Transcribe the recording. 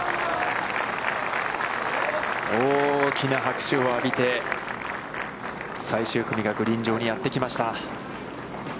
大きな拍手を浴びて、最終組がグリーン上にやってきました。